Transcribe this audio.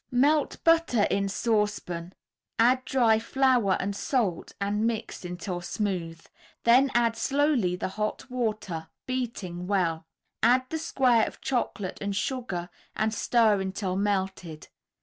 Melt butter in saucepan, add dry flour and salt and mix until smooth, then add slowly the hot water, beating well. Add the square of chocolate and sugar and stir until melted.